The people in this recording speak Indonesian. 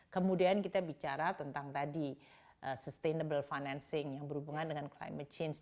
kemudian kita bicara tentang tadi sustainable financing yang berhubungan dengan climate change